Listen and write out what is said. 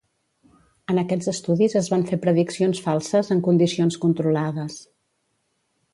En aquests estudis es van fer prediccions falses en condicions controlades.